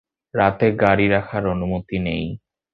রাতে গাড়ি রাখার অনুমতি নেই।